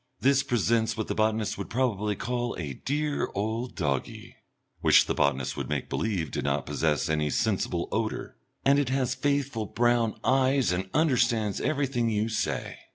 This presents what the botanist would probably call a "dear old doggie" which the botanist would make believe did not possess any sensible odour and it has faithful brown eyes and understands everything you say.